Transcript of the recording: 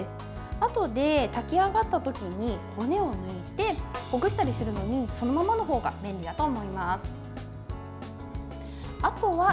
あとで炊き上がった時に骨を抜いてほぐしたりするのにそのままの方が便利だと思います。